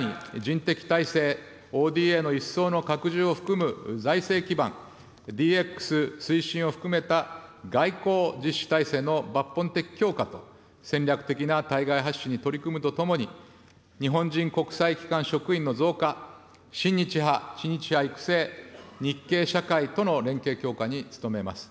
さらに、人的体制、ＯＤＡの一層の拡充を含む財政基盤、ＤＸ推進を含めた外交実施体制の抜本的強化と、戦略的な対外発信に取り組むとともに、日本人国際機関職員の増加、親日派・知日派育成、日系社会との連携強化に努めます。